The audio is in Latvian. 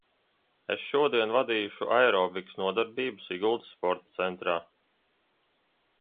Es šodien vadīšu aerobikas nodarbību Siguldas sporta centrā.